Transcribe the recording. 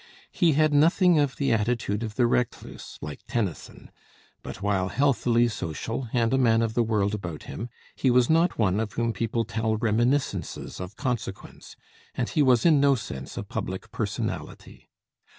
He had nothing of the attitude of the recluse, like Tennyson; but while healthily social and a man of the world about him, he was not one of whom people tell "reminiscences" of consequence, and he was in no sense a public personality.